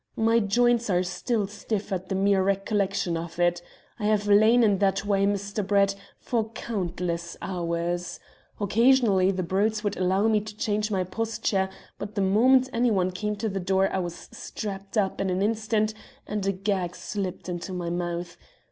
"My joints are still stiff at the mere recollection of it. I have lain in that way, Mr. Brett, for countless hours. Occasionally the brutes would allow me to change my posture, but the moment anyone came to the door I was strapped up in an instant and a gag slipped into my mouth.